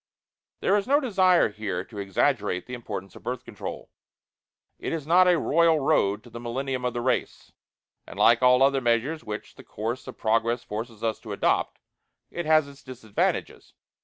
There is no desire here to exaggerate the importance of Birth Control. It is not a royal road to the millennium of the race; and like all other measures which the course of progress forces us to adopt, it has its disadvantages.